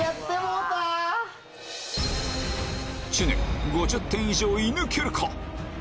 知念５０点以上射抜けるか？